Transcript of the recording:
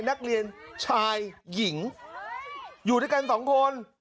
นักเรียนชายหญิงอยู่ด้วยกันสองคน